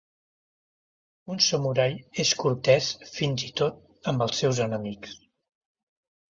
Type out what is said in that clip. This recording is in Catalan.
Un samurai és cortès fins i tot amb els seus enemics.